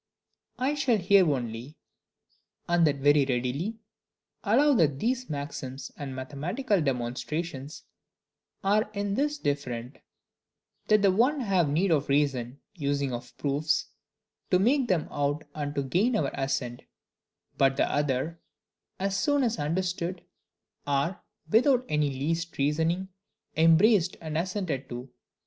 I shall here only, and that very readily, allow, that these maxims and mathematical demonstrations are in this different: that the one have need of reason, using of proofs, to make them out and to gain our assent; but the other, as soon as understood, are, without any the least reasoning, embraced and assented to.